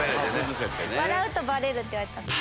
笑うとバレるって言われてたんで。